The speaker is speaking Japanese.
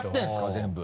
全部。